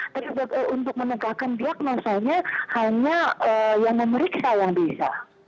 tapi untuk menegakkan diagnosanya hanya yang memeriksa yang bisa